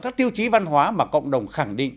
các tiêu chí văn hóa mà cộng đồng khẳng định